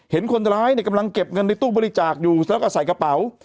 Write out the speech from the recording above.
เห็นคนร้ายเนี่ยกำลังเก็บเงินในตู้บริจาคอยู่แล้วก็ใส่กระเป๋า